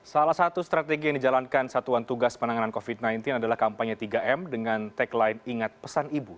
salah satu strategi yang dijalankan satuan tugas penanganan covid sembilan belas adalah kampanye tiga m dengan tagline ingat pesan ibu